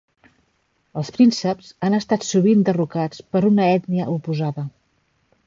Els prínceps han estat sovint derrocats per una ètnia oposada.